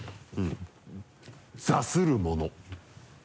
「座するもの」